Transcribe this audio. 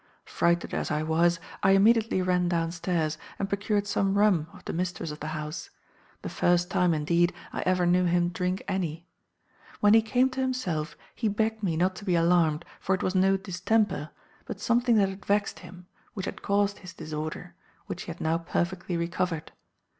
"Frighted as I was, I immediately ran downstairs, and procured some rum of the mistress of the house; the first time, indeed, I ever knew him drink any. When he came to himself he begged me not to be alarmed, for it was no distemper, but something that had vexed him, which had caused his disorder, which he had now perfectly recovered.